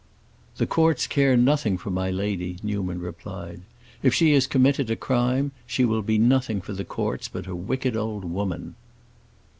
"The courts care nothing for my lady," Newman replied. "If she has committed a crime, she will be nothing for the courts but a wicked old woman."